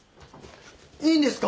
いいんですか！？